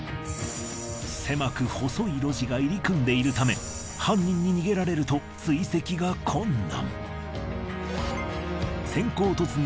狭く細い路地が入り組んでいるため犯人に逃げられると追跡が困難。